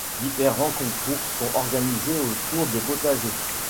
Différents concours sont organisés autour des potagers.